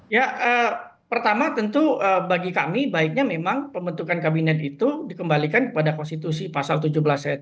ya pertama tentu bagi kami baiknya memang pembentukan kabinet itu dikembalikan kepada konstitusi pasal tujuh belas ayat